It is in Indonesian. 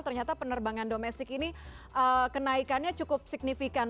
ternyata penerbangan domestik ini kenaikannya cukup signifikan